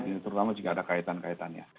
terkait ini terutama juga ada kaitan kaitannya